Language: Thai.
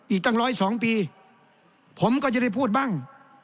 อีกตั้ง๑๐๒ปีผมก็จะได้พูดบ้าง